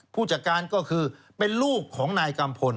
ผู้จัดการก็คือเป็นลูกของนายกัมพล